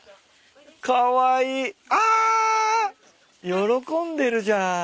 喜んでるじゃん。